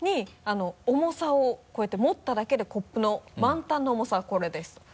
重さをこうやって持っただけでコップの満タンの重さこれです。